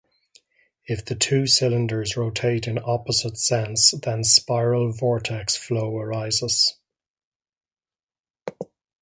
If the two cylinders rotate in opposite sense then spiral vortex flow arises.